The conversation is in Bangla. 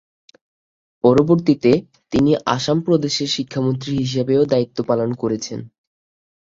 পরবর্তীতে তিনি আসাম প্রদেশের শিক্ষামন্ত্রী হিসেবেও দায়িত্ব পালন করেছেন।